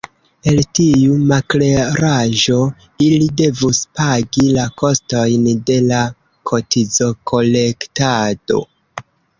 El tiu makleraĵo ili devus pagi la kostojn de la kotizokolektado.